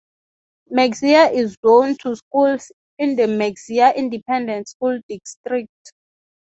Mexia is zoned to schools in the Mexia Independent School District.